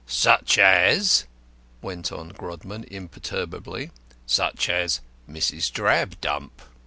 "Such as," went on Grodman, imperturbably, "such as Mrs. Drabdump.